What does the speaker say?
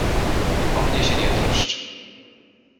O mnie się nie troszcz.